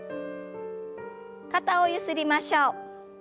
肩をゆすりましょう。